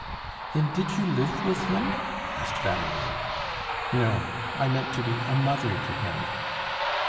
"Then did you live with him?" asked Valerie. "No; I meant to be a mother to him."